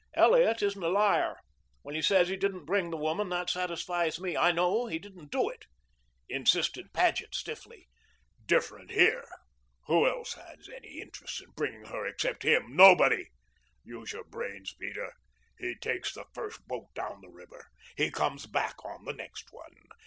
"Elliot isn't a liar. When he says he didn't bring the woman, that satisfies me. I know he didn't do it," insisted Paget stiffly. "Different here. Who else had any interest in bringing her except him? Nobody. Use your brains, Peter. He takes the first boat down the river. He comes back on the next one.